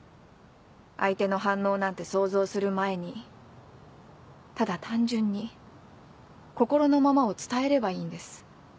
相手の反応なんて想像する前にただ単純に心のままを伝えればいいんです。